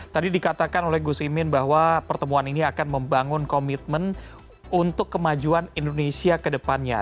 tadi dikatakan oleh gus imin bahwa pertemuan ini akan membangun komitmen untuk kemajuan indonesia ke depannya